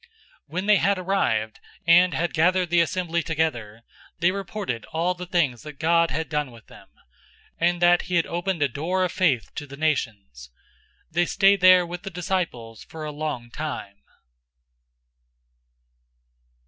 014:027 When they had arrived, and had gathered the assembly together, they reported all the things that God had done with them, and that he had opened a door of faith to the nations. 014:028 They stayed there with the disciples for a long time.